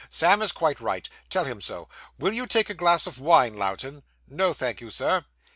'Sam is quite right. Tell him so. Will you take a glass of wine, Lowten?' No, thank you, Sir.